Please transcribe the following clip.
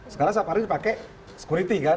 sekarang safari pakai security kan